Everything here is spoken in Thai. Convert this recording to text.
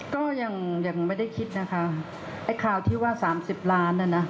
ก็ยังไม่ได้คิดนะคะไอ้คราวที่ว่า๓๐ล้านน่ะนะ